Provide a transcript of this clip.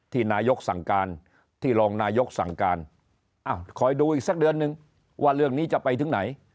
นายกสั่งการที่รองนายกสั่งการอ้าวคอยดูอีกสักเดือนนึงว่าเรื่องนี้จะไปถึงไหน